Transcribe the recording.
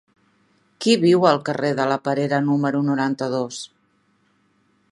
Qui viu al carrer de la Perera número noranta-dos?